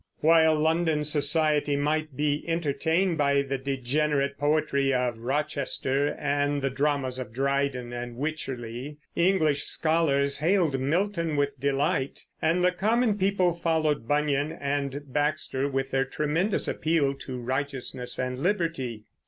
While London society might be entertained by the degenerate poetry of Rochester and the dramas of Dryden and Wycherley, English scholars hailed Milton with delight; and the common people followed Bunyan and Baxter with their tremendous appeal to righteousness and liberty.